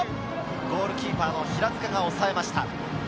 ゴールキーパー・平塚がおさえました。